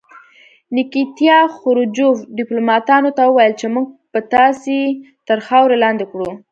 نیکیتیا خروچوف ډیپلوماتانو ته وویل چې موږ به تاسې تر خاورو لاندې کړو